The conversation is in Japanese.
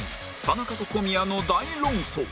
田中と小宮の大論争